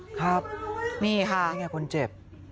นี่ค่ะนี่ไงคนเจ็บ